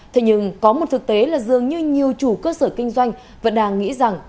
thế nhưng có một thực tế là dường như nhiều chủ cơ sở kinh doanh vẫn đang nghĩ rằng